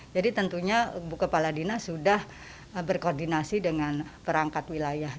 jadi tentunya bukapala dinas sudah berkoordinasi dengan perangkat wilayah